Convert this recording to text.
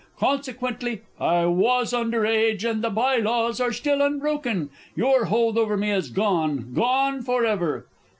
Consequently, I was under age, and the Bye laws are still unbroken. Your hold over me is gone gone for ever!